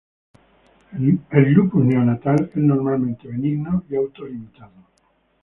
El lupus neonatal es normalmente benigno y auto-limitado.